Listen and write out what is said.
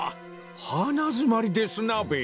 花づまりですなべ。